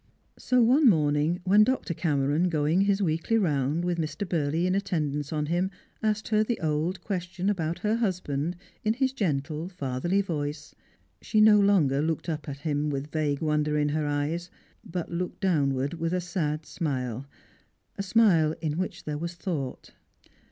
So one morning when Dr. Cameron, going his weekly round, with Mr. Burley in attendance on him, asked her the old ques tion about her husljand in his gentle fatherly voice, she no longer looked up at him with vague wonder in her eyes, but looked downward with a sad smile, a smile in which there was thought.